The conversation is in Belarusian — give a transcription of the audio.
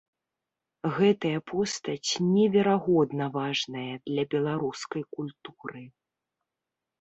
Гэтая постаць неверагодна важная для беларускай культуры.